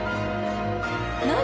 何？